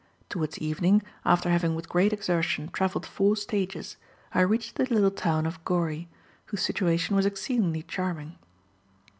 Towards evening, after having with great exertion travelled four stages, I reached the little town of Gory, whose situation was exceedingly charming.